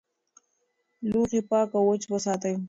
لوښي پاک او وچ وساتئ.